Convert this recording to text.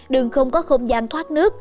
đường không có không gian thoát nước